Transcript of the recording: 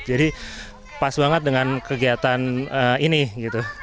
jadi pas banget dengan kegiatan ini